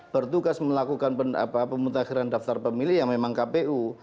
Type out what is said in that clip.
bertugas melakukan pemutakhiran daftar pemilih yang memang kpu